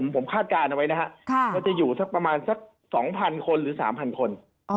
ผมคาดการณ์เอาไว้จะอยู่สักประมาณ๒๐๐๐คนหรือ๓๐๐๐คน